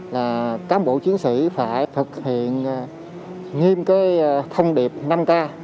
là cán bộ chiến sĩ phải thực hiện nghiêm cái thông điệp năm k